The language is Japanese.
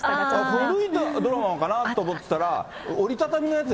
古いドラマなのかなと思ったら、折り畳みのやつ